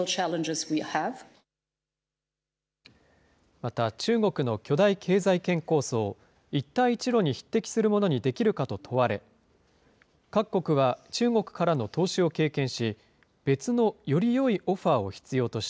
また、中国の巨大経済圏構想、一帯一路に匹敵するものにできるかと問われ、各国は中国からの投資を経験し、別のよりよいオファーを必要とし